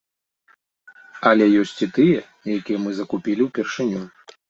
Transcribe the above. Але ёсць і тыя, якія мы закупілі упершыню.